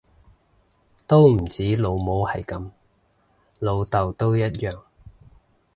都唔止老母係噉，老竇都一樣